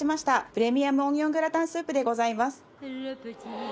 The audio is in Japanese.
プレミアムオニオングラタンスープでございます。